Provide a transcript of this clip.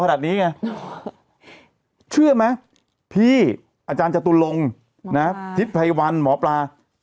ขนาดนี้ไงเชื่อไหมพี่อาจารย์จตุลงพิทธิ์ไพรวันมปลา